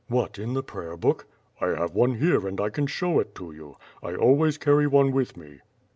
"What, in the prayer book?" "I have one here, and I can show it to you. I always carry one with me."